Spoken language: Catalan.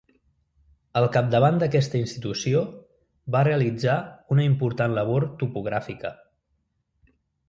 Al capdavant d'aquesta institució va realitzar una important labor topogràfica.